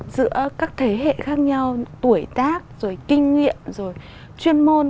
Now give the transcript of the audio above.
giữa các thế hệ khác nhau tuổi tác rồi kinh nghiệm rồi chuyên môn